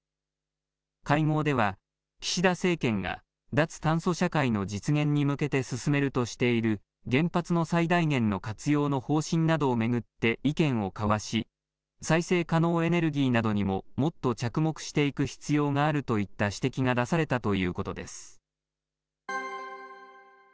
会合では、岸田政権が脱炭素社会の実現に向けて進めるとしている原発の最大限の活用の方針などを巡って意見を交わし、再生可能エネルギーなどにももっと着目していく必要があるといった指摘が出されたということです。